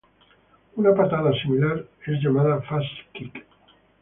Una patada similar es llamada fast kick.